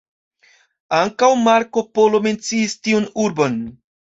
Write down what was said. Ankaŭ Marko Polo menciis tiun urbon.